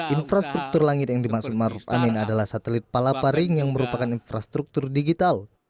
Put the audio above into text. infrastruktur langit yang dimaksud maruf amin adalah satelit palapa ring yang merupakan infrastruktur digital